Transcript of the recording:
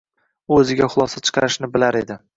U o’ziga xulosa chiqarishni bilar edi.